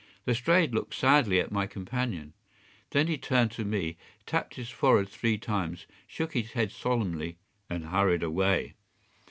” Lestrade looked sadly at my companion. Then he turned to me, tapped his forehead three times, shook his head solemnly, and hurried away.